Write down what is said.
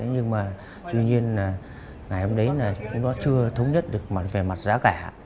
nhưng mà tuy nhiên ngày hôm đấy là chúng nó chưa thống nhất được về mặt giá cả